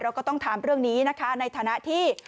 ก็ต้องถามเรื่องนี้นะคะในฐานะที่